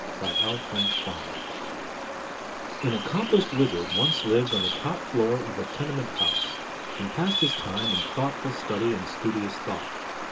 THE GLASS DOG An accomplished wizard once lived on the top floor of a tenement house and passed his time in thoughtful study and studious thought.